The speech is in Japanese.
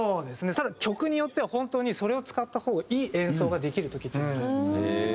ただ曲によっては本当にそれを使った方がいい演奏ができる時っていうのが。